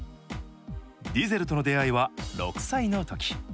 ディゼルとの出会いは６歳のとき。